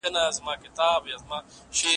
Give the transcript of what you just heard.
طب او ادبیات کله کله په څېړنه کې سره یوځای کیږي.